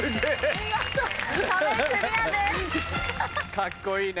かっこいいね。